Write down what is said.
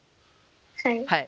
はい。